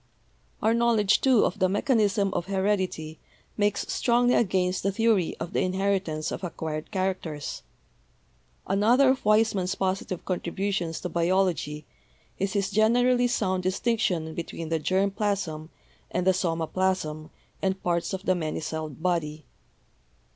"Our knowledge, too, of the mechanism of heredity makes strongly against the theory of the inheritance of acquired characters. Another of Weismann's positive contributions to biology is his generally sound distinction between the germ plasm and the soma plasm and parts of the many celled body.